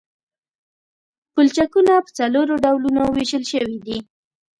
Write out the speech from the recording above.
پلچکونه په څلورو ډولونو ویشل شوي دي